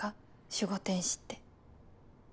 守護天使って。